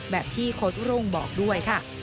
แบบที่โค้ดรุ่งบอกด้วยค่ะ